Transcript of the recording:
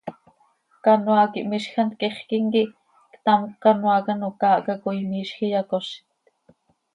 Canoaa quih miizj hant quixquim quih ctamcö canoaa quih ano caahca coi miizj iyacozit.